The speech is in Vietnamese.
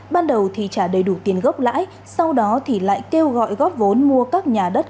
ban đầu thì trả đầy đủ tiền gốc lãi sau đó thì lại kêu gọi góp vốn mua các nhà đất